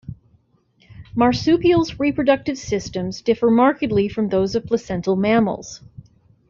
Marsupials' reproductive systems differ markedly from those of placental mammals.